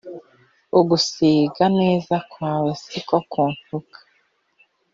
ugusiga neza kwawe si ko kuntuka